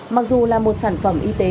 mặc dù là một sản phẩm y tế